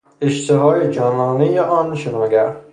اشتهای جانانهی آن شناگر